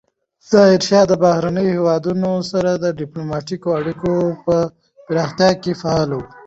ظاهرشاه د بهرنیو هیوادونو سره د ډیپلوماتیکو اړیکو په پراختیا کې فعال و.